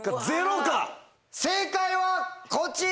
正解はこちら！